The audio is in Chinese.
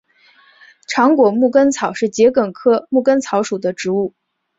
长果牧根草是桔梗科牧根草属的植物。